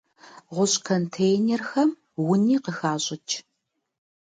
Гъущӏ контейнерхэм уни къыхащӏыкӏ.